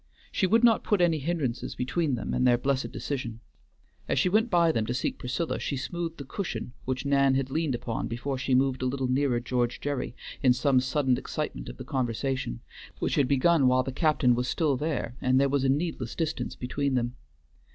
She would not put any hindrances between them and their blessed decision. As she went by them to seek Priscilla, she smoothed the cushion which Nan had leaned upon before she moved a little nearer George Gerry in some sudden excitement of the conversation, which had begun while the captain was still there, and there was a needless distance between them.